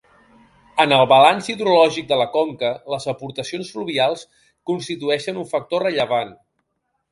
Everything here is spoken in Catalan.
En el balanç hidrològic de la conca, les aportacions fluvials constitueixen un factor rellevant.